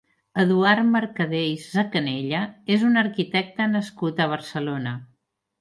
Eduard Mercader i Sacanella és un arquitecte nascut a Barcelona.